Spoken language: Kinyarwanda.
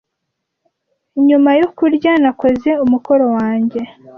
Nyuma yo kurya, nakoze umukoro wanjye.